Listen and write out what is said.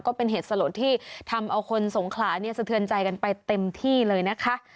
ก็เป็นเหตุสลดที่ทำเอาคนสงขลาเนี่ยสะเทือนใจกันไปเต็มที่เลยนะคะ